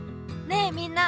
ねえみんな。